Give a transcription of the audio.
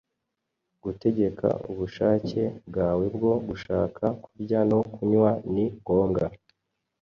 gutegeka ubushake bwawe bwo gushaka kurya no kunywa ni ngombwa